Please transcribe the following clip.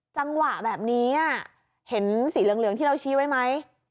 จังหวะแบบนี้เห็นสีเหลืองที่เราชี้ไว้ไหม